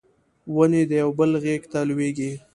ونې د یو بل غیږ ته لویږي